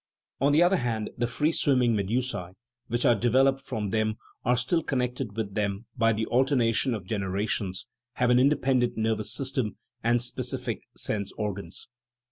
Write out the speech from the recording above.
On the other hand, the free swimming medusae, which are de veloped from them and are still connected with them by alternation of generations have an independent ner vous system and specific sense organs.